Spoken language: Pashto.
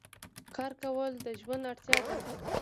کار کول د ژوند اړتیا ده.